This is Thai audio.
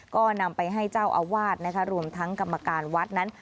ก็นำไปให้เจ้าอาวาสนะคะรวมทั้งกรรมการวัดนั้น